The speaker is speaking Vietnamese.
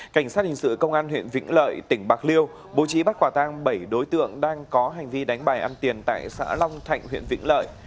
cảnh sát hình sự công an huyện vĩnh lợi tỉnh bạc liêu bố trí bắt quả tang bảy đối tượng đang có hành vi đánh bài ăn tiền tại xã long thạnh huyện vĩnh lợi